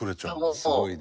「すごいね」